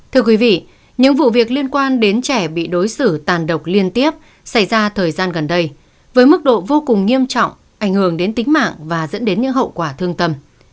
thưa quý vị những vụ việc liên quan đến trẻ bị đối xử tàn độc liên tiếp xảy ra thời gian gần đây với mức độ vô cùng nghiêm trọng ảnh hưởng đến tính mạng và dẫn đến những hậu quả thương tâm